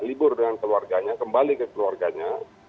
libur dengan keluarganya kembali ke keluarganya